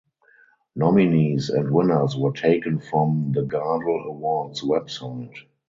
Nominees and winners were taken from the Gardel Awards website.